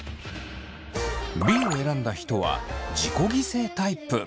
Ｂを選んだ人は自己犠牲タイプ。